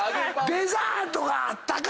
デザートがあったか？